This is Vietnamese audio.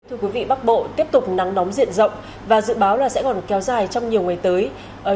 thưa quý vị bắc bộ tiếp tục nắng nóng diện rộng và dự báo là sẽ còn kéo dài trong nhiều ngày tới